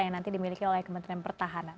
yang nanti dimiliki oleh kementerian pertahanan